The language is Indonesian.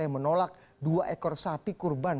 yang menolak dua ekor sapi kurban